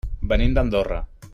Venim d'Andorra.